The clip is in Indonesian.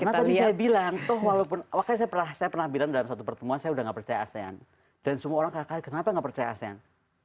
karena tadi saya bilang walaupun saya pernah bilang dalam satu pertemuan saya sudah tidak percaya asean dan semua orang kadang kadang kenapa tidak percaya asean